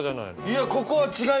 いやここは。